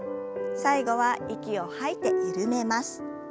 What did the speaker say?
最後は息を吐いて緩めます。